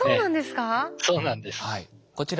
そうなんですか？